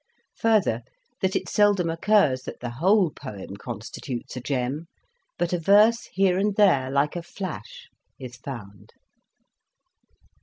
Further, that it seldom occurs that the whole poem constitutes a gem, but a verse here and there, like a flash, is found.